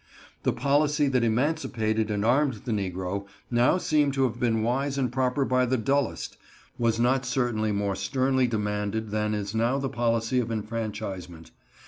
The policy that emancipated and armed the negro—now seen to have been wise and proper by the dullest—was not certainly more sternly demanded than is now the policy of enfranchisement.